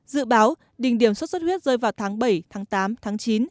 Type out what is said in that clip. dự báo đỉnh điểm sốt xuất huyết rơi vào tháng bảy tám